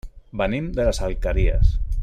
Venim de les Alqueries.